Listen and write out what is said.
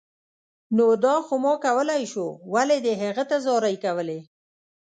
نو دا خو ما کولای شو، ولې دې هغه ته زارۍ کولې